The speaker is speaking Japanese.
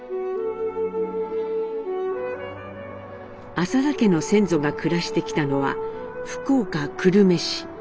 浅田家の先祖が暮らしてきたのは福岡・久留米市。